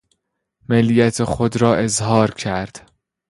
ملیت خود را اظهار کرد.